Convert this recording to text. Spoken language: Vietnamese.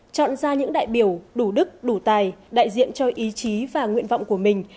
chọn ra những đại biểu đủ đức đủ tài đại diện cho ý chí và nguyện vọng của mình